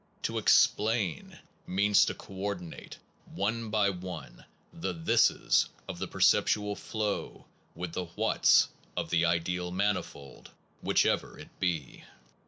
To explain means to coordinate, one to one, the thises of the perceptual flow with the whats of the ideal manifold, whichever it be.